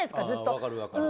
あ分かる分かる。